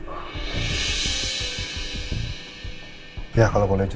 untuk ke sports day kita